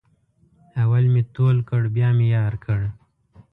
اول مې تول کړ بیا مې یار کړ.